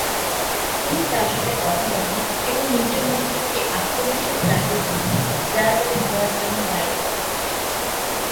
তিনি তার সাথে কথা বলেন এবং নিজের মধ্যে একটি আত্মবিশ্বাস জাগিয়ে তুলেন, যারা তাকে ধরার জন্য বাইরে অপেক্ষা করছে।